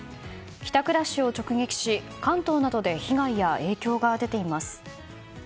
帰宅ラッシュを直撃し関東などで被害や影響が出ています。